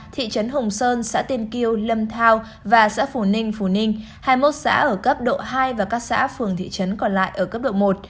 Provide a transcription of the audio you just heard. thị trấn hùng sơn xã tiên kiêu lâm thao và xã phù ninh phù ninh hai mươi một xã ở cấp độ hai và các xã phường thị trấn còn lại ở cấp độ một